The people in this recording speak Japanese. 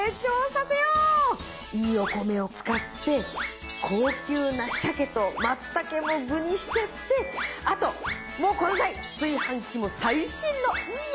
いいお米を使って高級なシャケとマツタケも具にしちゃってあともうこの際炊飯器も最新のいいやつに買い替えよう。